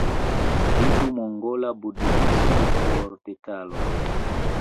Vidu mongola Budhismo por detaloj.